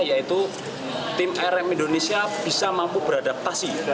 yaitu tim rm indonesia bisa mampu beradaptasi